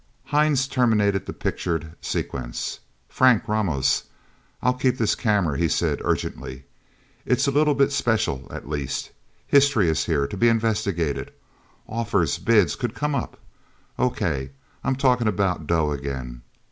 Hines terminated the pictured sequence. "Frank Ramos I'd keep this camera," he said urgently. "It's a little bit special, at least. History is here, to be investigated. Offers bids could come up. Okay I'm talking about dough, again.